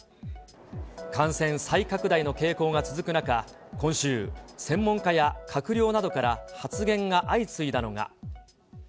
感染再拡大の傾向が続く中、今週、専門家や閣僚などから発言が相次いだのが。